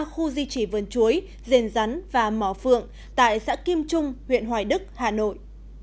ba khu di trì vườn chuối rền rắn và mỏ phượng tại xã kim trung huyện hoài đức hà nội